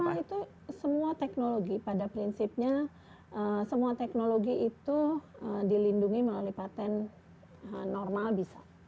semua itu semua teknologi pada prinsipnya semua teknologi itu dilindungi melalui patent normal bisa